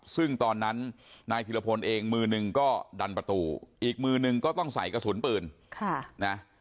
ซึ่งตอนนั้นนายพิรพลเองมือหนึ่งก็ดันประตูอีกมือนึงก็ต้องใส่กระสุนปืนค่ะนะ